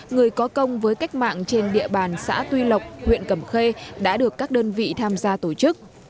người có công với cách mạng trên địa bàn xã tuy lộc huyện cầm khê đã được các đơn vị tham gia tổ chức